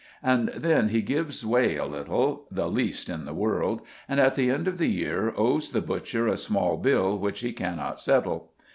And then he gives way a little the least in the world and at the end of the year owes the butcher a small bill which he cannot settle.